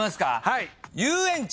はい。